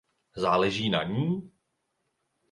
Záleží na ní?